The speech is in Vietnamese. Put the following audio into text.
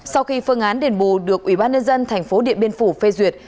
sau khi phương án đền bù được ủy ban nhân dân tp điện biên phủ phê duyệt